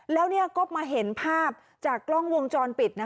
แล้วเนี่ยก็มาเห็นภาพจากกล้องวงจรเปลี่ยน